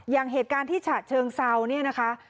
อย่างเหตุการณ์ที่ฉะเชิงเซาเนี่ยนะคะ